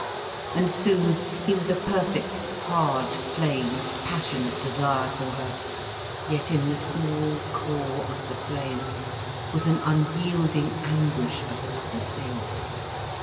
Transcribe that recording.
And soon he was a perfect hard flame of passionate desire for her. Yet in the small core of the flame was an unyielding anguish of another thing.